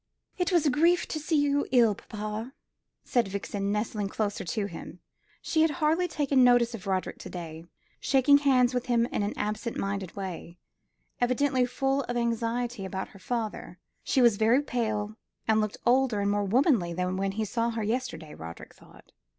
"It was a grief to see you ill, papa," said Violet, nestling closer to him. She had hardly taken any notice of Roderick to day, shaking hands with him in an absent minded way, evidently full of anxiety about her father. She was very pale, and looked older and more womanly than when he saw her yesterday, Roderick thought.